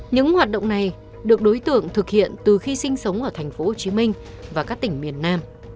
những hoạt động này được đối tượng thực hiện từ khi sinh sống ở tp hcm và các tỉnh miền nam